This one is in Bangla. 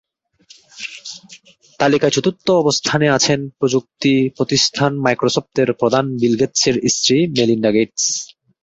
তালিকায় চতুর্থ অবস্থানে আছেন প্রযুক্তিপ্রতিষ্ঠান মাইক্রোসফটের প্রধান বিল গেটসের স্ত্রী মেলিন্ডা গেটস।